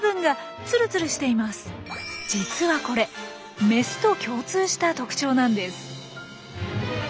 実はこれメスと共通した特徴なんです。